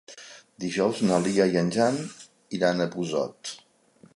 Dijous na Lia i en Jan iran a Busot.